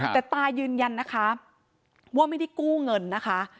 แต่ตายืนยันนะคะว่าไม่ได้กู้เงินนะคะ